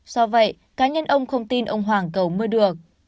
do vậy cá nhân ông không tin ông hoàng cầu mưa được